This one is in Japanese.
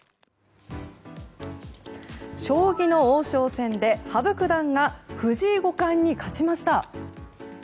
将棋の王将戦で羽生九段が藤井五冠に勝ちました。